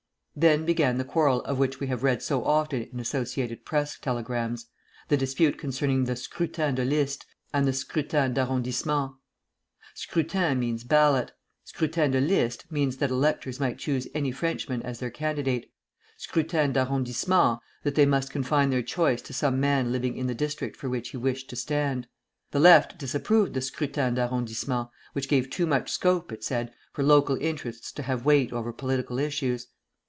Then began the quarrel of which we have read so often in Associated Press telegrams, the dispute concerning the scrutin de liste and the scrutin d'arrondissement. "Scrutin" means ballot; "scrutin de liste" means that electors might choose any Frenchman as their candidate; "scrutin d'arrondissement," that they must confine their choice to some man living in the district for which he wished to stand. The Left disapproved the scrutin d'arrondissement, which gave too much scope, it said, for local interests to have weight over political issues.